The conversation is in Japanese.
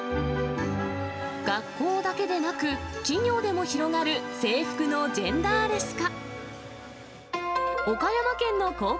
学校だけでなく、企業でも広がる制服のジェンダーレス化。